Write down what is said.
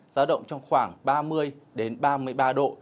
ra động trong khoảng ba mươi ba mươi ba độ